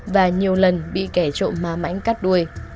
và nhiều lần bị kẻ trộm ma mãnh cắt đuôi